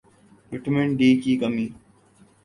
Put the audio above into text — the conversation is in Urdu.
وٹامن ڈی کی کمی